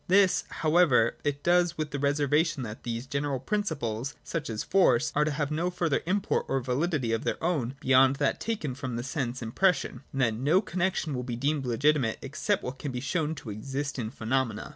This, however, it does with the reservation that these general principles (such as force), are to have no further import or validity of their own beyond that taken from the sense impression, and that no connexion shall be deemed legitimate except what can be shown to exist in phenomena.